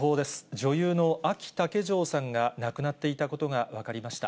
女優のあき竹城さんが亡くなっていたことが分かりました。